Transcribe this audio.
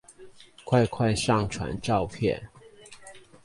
快快上傳照片